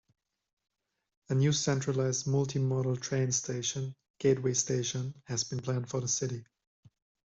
A new centralized multimodal train station, Gateway Station, has been planned for the city.